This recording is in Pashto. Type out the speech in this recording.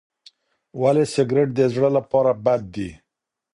ولې سګریټ د زړه لپاره بد دی؟